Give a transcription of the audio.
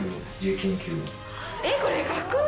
えっこれ。